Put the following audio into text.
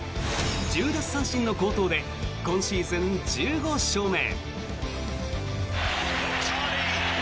１０奪三振の好投で今シーズン１５勝目。